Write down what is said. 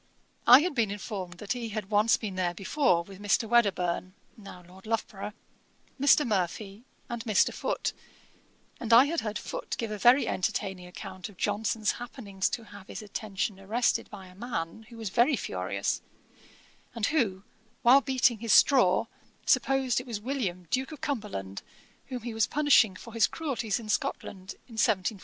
I had been informed that he had once been there before with Mr. Wedderburne, (now Lord Loughborough,) Mr. Murphy, and Mr. Foote; and I had heard Foote give a very entertaining account of Johnson's happening to have his attention arrested by a man who was very furious, and who, while beating his straw, supposed it was William Duke of Cumberland, whom he was punishing for his cruelties in Scotland, in 1746.